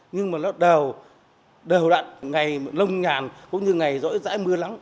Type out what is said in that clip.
nhưng mà nó đều đặn ngày lông nhàn cũng như ngày rỗi rãi mưa lắng